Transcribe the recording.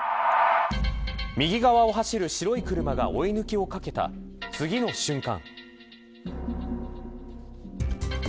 右側を走る白い車が追い抜きをかけた、次の瞬間。